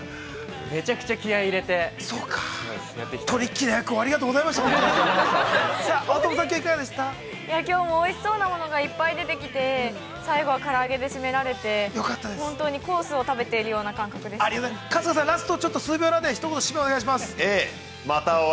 ◆きょうもおいしそうなものがいっぱい出てきて、最後は、から揚げで締められてほんとに、コースを食べているような感覚でした。